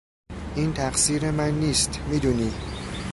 این تقصیر من نیست، میدونی.